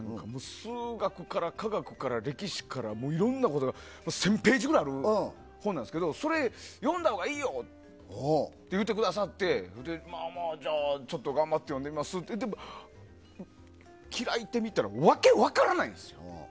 数学から科学から歴史から１０００ページぐらいある本でそれ読んだほうがいいよって言ってくださってまあまあ、じゃあ頑張って読んでみますって開いてみたら訳が分からないんです。